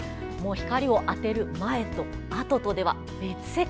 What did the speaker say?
光を当てる前とあととでは別世界。